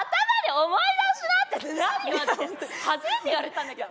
初めて言われたんだけど。